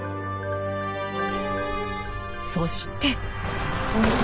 そして。